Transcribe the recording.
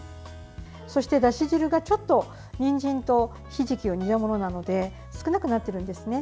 そして、だし汁がちょっとにんじんとひじきを煮たものなので少なくなってるんですね。